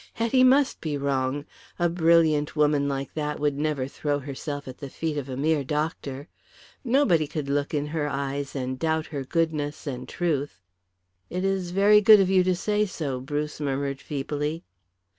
Hetty must be wrong. A brilliant woman like that would never throw herself at the feet of a mere doctor. Nobody could look in her eyes and doubt her goodness and truth. "It is very good of you to say so," Bruce murmured feebly.